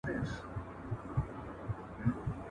د مدرسو او مکتبونو کیسې